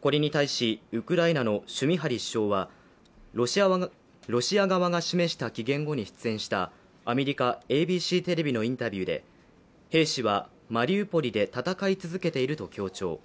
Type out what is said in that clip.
これに対しウクライナのシュミハリ首相はロシア側が示した期限後に出演したアメリカＡＢＣテレビのインタビューで兵士はマリウポリで戦い続けていると強調。